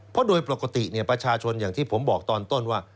เพราะโดยปกติประชาชนอย่างที่ผมบอกตอนต้นว่า